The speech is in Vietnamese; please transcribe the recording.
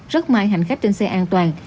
rất may hành khách trên xe an toàn